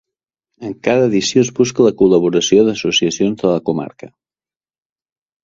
En cada edició es busca la col·laboració d'associacions de la comarca.